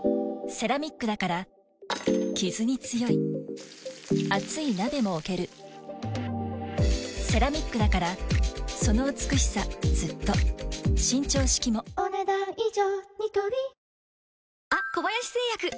セラミックだからキズに強い熱い鍋も置けるセラミックだからその美しさずっと伸長式もお、ねだん以上。